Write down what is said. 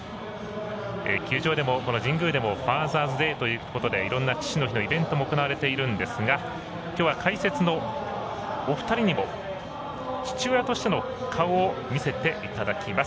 球場でも神宮でも「ＦＡＴＨＥＲＳＤＡＹ」ということでいろんな父の日のイベントが行われているんですがきょうは解説のお二人にも父親としての顔を見せていただきます。